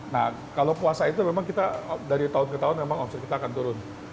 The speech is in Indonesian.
nah kalau puasa itu memang kita dari tahun ke tahun memang omset kita akan turun